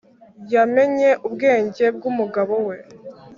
yamenye ubwenge bwumugabo we.